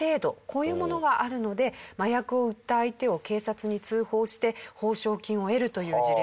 こういうものがあるので麻薬を売った相手を警察に通報して報奨金を得るという事例も発生しているそうです。